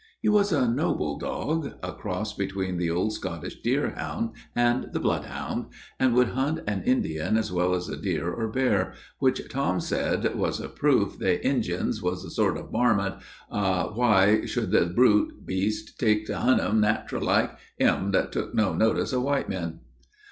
He was a noble dog a cross between the old Scottish deerhound and the bloodhound, and would hunt an Indian as well as a deer or bear, which, Tom said, "was a proof they Injins was a sort o' warmint, or why should the brute beast take to hunt 'em, nat'ral like him that took no notice of white men?"